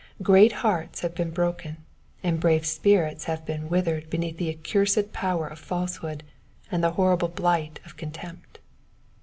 Great hearts have been broken and brave spirits have been withered beneath the accursed power of falsehood, and the horrible blight of con tempt.